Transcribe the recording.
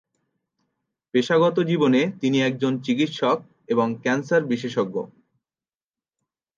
পেশাগত জীবনে তিনি একজন চিকিৎসক এবং ক্যান্সার বিশেষজ্ঞ।